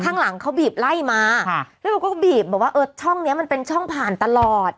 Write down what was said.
ข้างหลังเขาบีบไล่มาค่ะแล้วเขาก็บีบบอกว่าเออช่องเนี้ยมันเป็นช่องผ่านตลอด